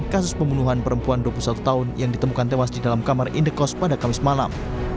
kasus pembunuhan perempuan dua puluh satu tahun yang ditemukan tewas di dalam kamar indekos pada kamis malam